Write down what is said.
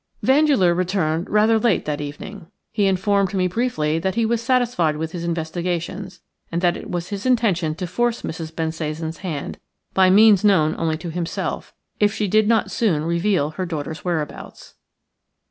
Vandeleur returned rather late that evening. He informed me briefly that he was satisfied with his investigations, and that it was his intention to force Mrs. Bensasan's hand, by means known only to himself, if she did not soon reveal her daughter's whereabouts.